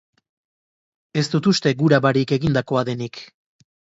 Ez dut uste gura barik egindakoa denik.